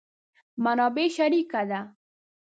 منابع شریکه ده.